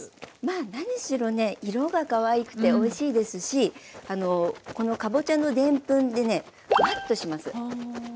まあ何しろね色がかわいくておいしいですしこのかぼちゃのでんぷんでねフワッとします。